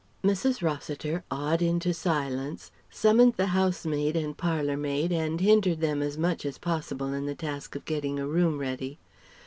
Mrs. Rossiter awed into silence summoned the housemaid and parlour maid and hindered them as much as possible in the task of getting a room ready.